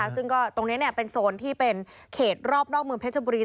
ซึ่งก็ตรงนี้เป็นโซนที่เป็นเขตรอบนอกเมืองเพชรบุรี